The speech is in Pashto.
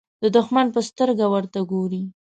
د دښمن په سترګه ورته ګوري.